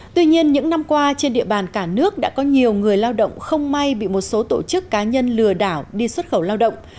tuy nhiên những năm qua trên địa bàn cả nước đã có nhiều người lao động không may bị một số tổ chức cá nhân lừa đảo đi xuất khẩu lao động